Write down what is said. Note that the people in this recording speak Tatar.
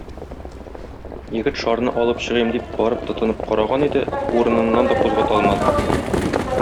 Егет шарны алып чыгыйм дип, барып тотынып караган иде, урыныннан да кузгата алмады.